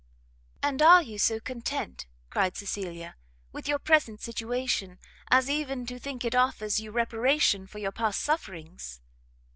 "And are you so content," cried Cecilia, "with your present situation, as even to think it offers you reparation for your past sufferings?"